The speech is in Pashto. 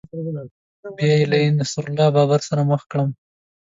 بیا یې له نصیر الله بابر سره مخامخ کړم